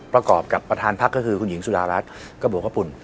ประกอบกับประธานภักดิ์ก็คือคุณหญิงสุดารัชกระบวนพระบุล